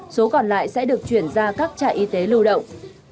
số còn lại sẽ được chuyển ra các trại y tế lưu động